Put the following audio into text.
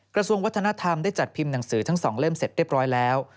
กระทรวงวัฒนธรรมได้จัดพิมพ์หนังสือทั้ง๒เล่มเสร็จเรียบร้อยแล้ว